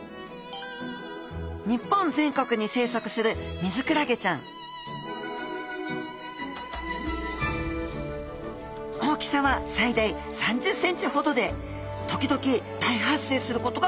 日本全国に生息するミズクラゲちゃん大きさは最大３０ｃｍほどで時々大発生することがあります